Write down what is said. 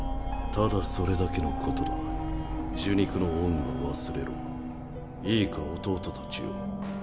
ただそれだけのことだ受肉の恩は忘れろいいか弟たちよ